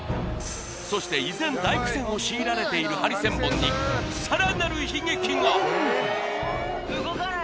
そして依然大苦戦を強いられているハリセンボンにさらなる悲劇が！